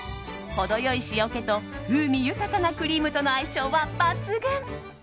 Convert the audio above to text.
程良い塩気と風味豊かなクリームとの相性は抜群。